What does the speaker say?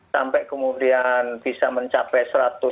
sampai kemudian bisa mencapai satu ratus tiga belas